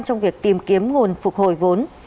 trong việc tìm kiếm nguồn phục hồi vốn